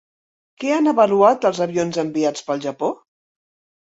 Què han avaluat els avions enviats pel Japó?